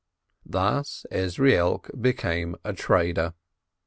~Thus Ezrielk became a trader.